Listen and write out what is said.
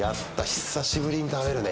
久しぶりに食べるね。